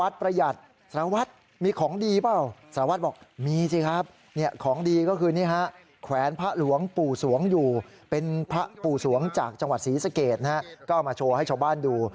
จากจังหวัดศรีสเกตนะฮะก็มาโชว์ให้ชาวบ้านดู